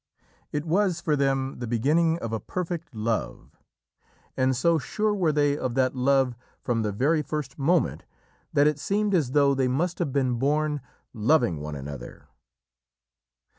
It was for them the beginning of a perfect love, and so sure were they of that love from the very first moment that it seemed as though they must have been born loving one another.